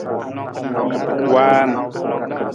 Waan.